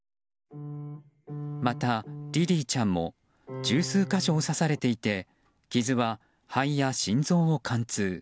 また、リリィちゃんも十数か所を刺されていて傷は肺や心臓を貫通。